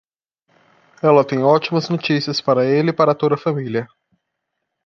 Ela tem ótimas notícias para ele e para toda a família.